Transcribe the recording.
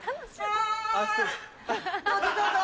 あどうぞどうぞ。